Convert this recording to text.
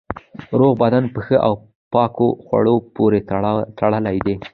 روغ بدن په ښه او پاکو خوړو پورې تړلی دی.